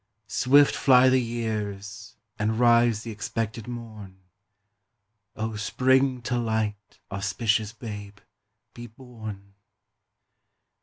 Swift fly the years, and rise th' expected morn! Oh spring to light, auspicious Babe, be born!